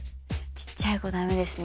ちっちゃい子、だめですね。